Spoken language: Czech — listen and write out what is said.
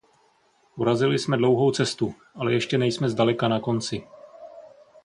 Urazili jsme dlouhou cestu, ale ještě nejsme zdaleka na konci.